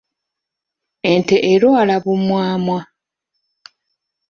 Ente erwala bumwamwa.